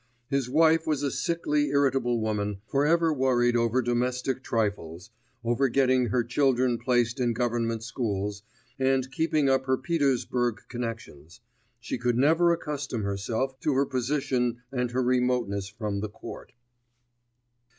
His wife was a sickly irritable woman, for ever worried over domestic trifles over getting her children placed in government schools, and keeping up her Petersburg connections; she could never accustom herself to her position and her remoteness from the Court.